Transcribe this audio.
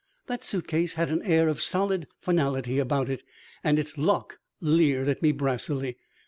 That suitcase had an air of solid finality about it, and its lock leered at me brassily.